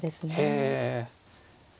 へえ。